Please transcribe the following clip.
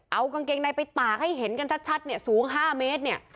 เอากางเกงใดไปตากให้เห็นชัดสูง๕เมตรเนี่ย